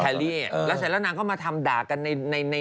ลี่แล้วเสร็จแล้วนางก็มาทำด่ากันใน